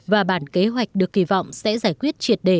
và bản kế hoạch được kỳ vọng sẽ giải quyết triệt đề